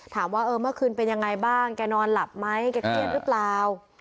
ถามว่าเออเมื่อคืนเป็นยังไงบ้างแกนอนหลับไหมแกเครียดหรือเปล่า